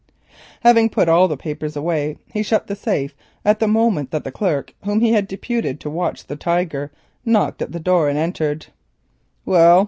Having put all the papers away, he shut the safe at the moment that the clerk whom he had deputed to watch his wife knocked at the door and entered. "Well?"